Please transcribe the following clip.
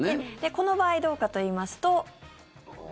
この場合どうかといいますと。